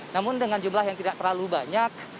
namun dengan jumlah yang tidak terlalu banyak